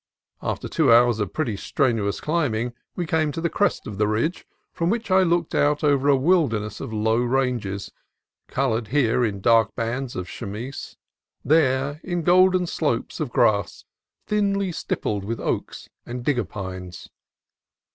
After two hours of pretty strenuous climbing we came to the crest of the ridge, from which I looked out over a wilderness of low ranges, colored here in dark bands of "chamise," there in golden slopes of grass thinly stippled with oaks and digger pines.